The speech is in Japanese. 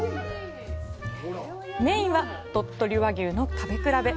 メインは、鳥取和牛の食べ比べ。